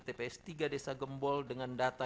tps tiga desa gembol dengan data